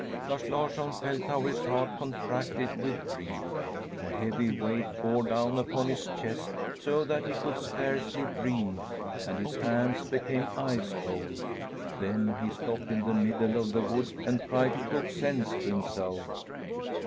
Lars Larsson felt how his heart contracted with dread. A heavy weight bore down upon his chest, so that he could scarcely breathe, and his hands became ice cold. Then he stopped in the middle of the wood and tried to talk sense to himself.